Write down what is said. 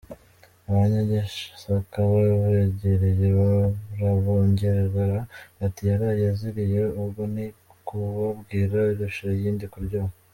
Abanyagisaka babegereye barabongorera bati “Yaraye aziriye ubwo ni ukubabwira irusha iyindi kuryoha.